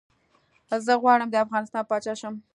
زه غواړم ده افغانستان پاچا شم